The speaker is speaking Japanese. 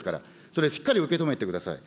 それ、しっかり受け止めてください。